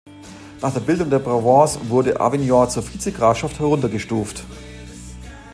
Nach der Bildung der Provence wurde Avignon zur Vizegrafschaft heruntergestuft.